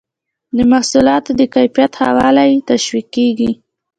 د محصولاتو د کیفیت ښه والی تشویقیږي.